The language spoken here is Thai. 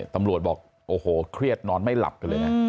ตำรวจบอกโอ้โหเครียดนอนไม่หลับกันเลยนะ